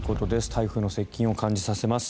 台風の接近を感じさせます。